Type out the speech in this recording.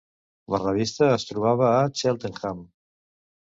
La revista es trobava a Cheltenham.